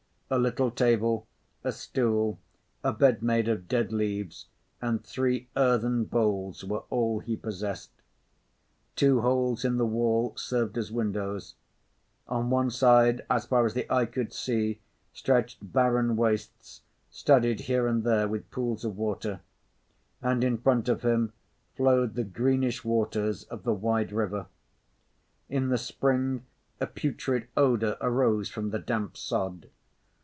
A little table, a stool, a bed made of dead leaves and three earthen bowls were all he possessed. Two holes in the wall served as windows. On one side, as far as the eye could see, stretched barren wastes studded here and there with pools of water; and in front of him flowed the greenish waters of the wide river. In the spring, a putrid odour arose from the damp sod.